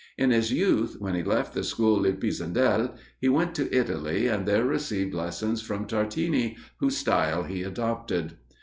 In his youth, when he left the school of Pisendel, he went to Italy, and there received lessons from Tartini, whose style he adopted.